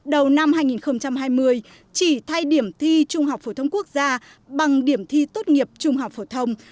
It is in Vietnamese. đầu năm hai nghìn hai mươi chỉ thay điểm thi trung học phổ thông quốc gia bằng điểm thi tốt nghiệp trung học phổ thông